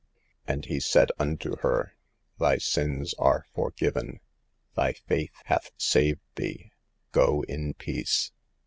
" And He said unto her, 'Thy sins are forgiven ; Thy faith hath saved thee ; go in peace.'